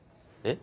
え？